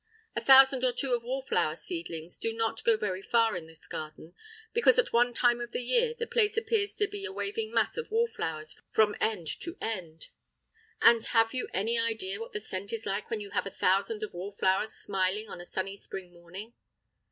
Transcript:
A thousand or two of wallflower seedlings do not go very far in this garden, because at one time of the year the place appears to be a waving mass of wallflowers from end to end. And have you any idea what the scent is like when you have thousands of wallflowers smiling on a sunny spring morning?